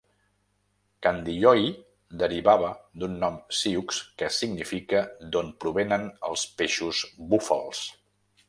Kandiyohi derivava d'un nom sioux que significa "d'on provenen els peixos búfals".